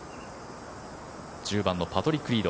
１０番のパトリック・リード。